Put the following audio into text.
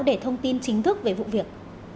để thông tin chính thức về vụ việc